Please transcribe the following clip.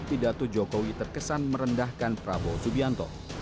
pidato jokowi terkesan merendahkan prabowo subianto